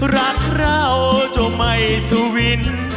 รักเราจะไม่ทวิน